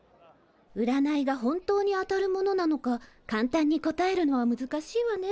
うらないが本当に当たるものなのか簡単に答えるのは難しいわね。